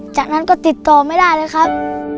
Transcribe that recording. จากนั้นก็ติดต่อไม่ได้เลยครับ